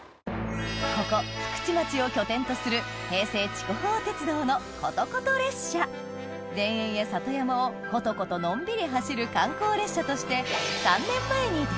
ここ福智町を拠点とする平成筑豊鉄道のことこと列車田園や里山をことことのんびり走る観光列車としてえっ！